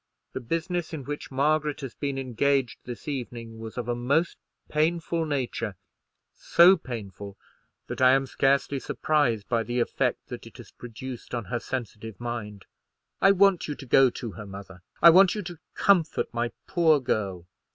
The business in which Margaret has been engaged this evening was of a most painful nature—so painful that I am scarcely surprised by the effect that it has produced on her sensitive mind. I want you to go to her, mother. I want you to comfort my poor girl.